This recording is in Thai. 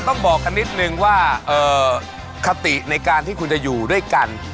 ต้องบอกกันนิดนึงว่าคติในการที่คุณจะอยู่ด้วยกัน